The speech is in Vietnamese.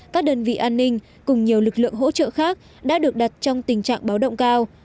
các đơn vị an ninh cùng nhiều lực lượng hỗ trợ khác đã được đặt trong tình trạng báo động cao